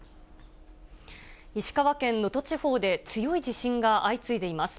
石川県能登地方で強い地震が相次いでいます。